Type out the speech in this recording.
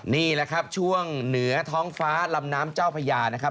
นี่แหละครับช่วงเหนือท้องฟ้าลำน้ำเจ้าพญานะครับ